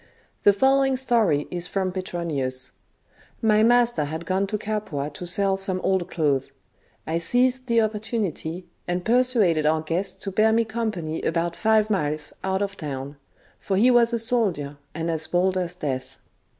The following story is from Petronius :—My master had gone to Capua to sell some old clothes. I seized the opportunity, and persuaded our guest to bear me company about five miles out of town ; for he was a soldier, and as bold as death.